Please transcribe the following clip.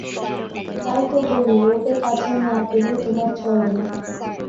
তাই তো বলি, ওকে কাছে না পেলে তোমার চলবে না।